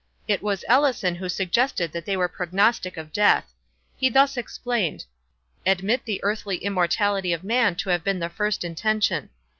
It was Ellison who suggested that they were prognostic of death. He thus explained:—Admit the earthly immortality of man to have been the first intention.